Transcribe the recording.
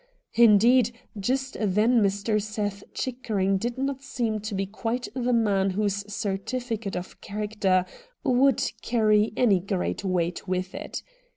Indeed, just then Mr. Seth Chickering did not seem to be quite the man whose certificate of character would carry any great weight with it.